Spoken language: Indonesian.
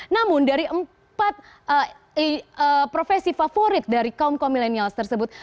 namun dari empat profesi favorit dari kaum kaum milenials tersebut